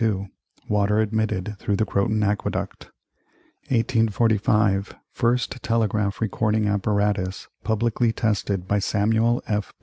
Water admitted through the Croton Aqueduct 1845. First telegraph recording apparatus publicly tested by Samuel F.